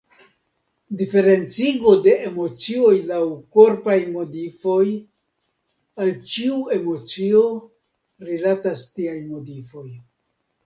Diferencigo de emocioj laŭ korpaj modifoj: al ĉiu emocio rilataj tiaj modifoj.